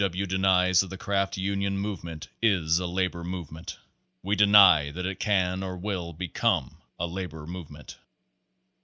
W. denies that the craft union movement is a labor movement: We deny that it can or will become a labor movement.